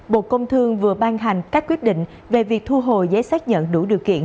bộ công thương vừa ban hành các quyết định về việc thu hồi giấy xác nhận đủ điều kiện